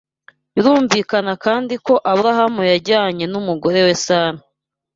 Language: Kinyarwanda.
Birumvikana kandi ko Aburahamu yajyanye n’umugore we Sara.